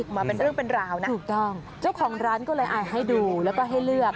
มาเป็นเรื่องเป็นราวนะถูกต้องเจ้าของร้านก็เลยให้ดูแล้วก็ให้เลือก